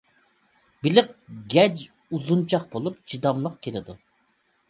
بېلىق گەج ئۇزۇنچاق بولۇپ، چىداملىق كېلىدۇ.